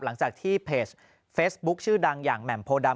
หลังจากที่เพจเฟซบุ๊คชื่อดังอย่างแหม่มโพดำ